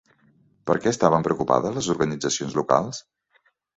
Per què estaven preocupades les organitzacions locals?